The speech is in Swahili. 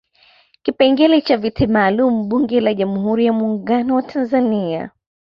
Kipengele cha viti maalum Bunge la Jamhuri ya Muungano wa Tanzania